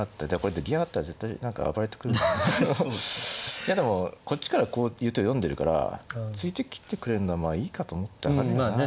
いやでもこっちからこういう手を読んでるから突いてきてくれんのはまあいいかと思って上がるよなあ。